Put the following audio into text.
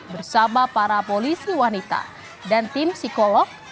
bersama para polisi wanita dan tim psikolog